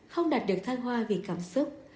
không đạt được thăng hoa vì cảm xúc